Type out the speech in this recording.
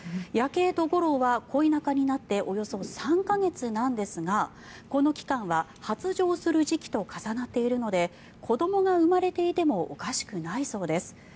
ヤケイとゴローは恋仲になっておよそ３か月なんですがこの期間は発情する時期と重なっているので子どもが生まれていてもおかしくないそうです。